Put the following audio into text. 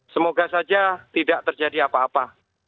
semoga saja tidak terjadi apa apa